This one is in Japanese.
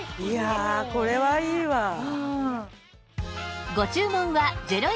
いやあこれはいいわ。